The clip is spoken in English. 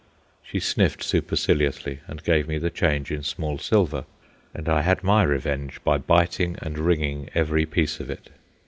She sniffed superciliously and gave me the change in small silver, and I had my revenge by biting and ringing every piece of it.